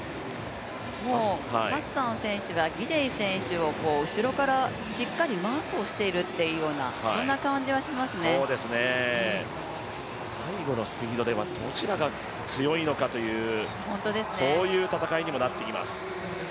もうハッサン選手がギデイ選手を後ろからしっかりマークしているというような最後のスピードではどちらが強いのかというそういう戦いにもなってきます。